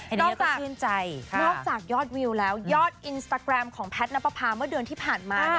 นอกจากชื่นใจนอกจากยอดวิวแล้วยอดอินสตาแกรมของแพทย์นับประพาเมื่อเดือนที่ผ่านมา